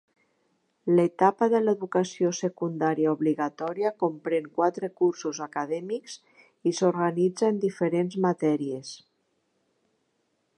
L'etapa de l'educació secundària obligatòria comprèn quatre cursos acadèmics i s'organitza en diferents matèries.